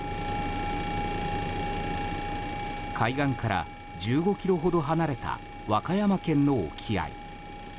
海岸から１５ｋｍほど離れた和歌山県の沖合。